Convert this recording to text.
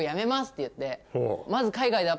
って言って。